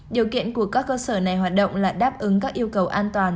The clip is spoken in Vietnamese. điều kiện của các cơ sở này hoạt động là đáp ứng các yêu cầu an toàn